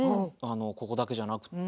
ここだけじゃなくって。